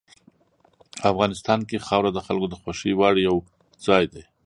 افغانستان کې خاوره د خلکو د خوښې وړ یو ځای دی.